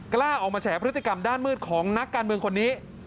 กล้าออกมาแฉพฤติกรรมด้านมืดของนักการเมืองคนนี้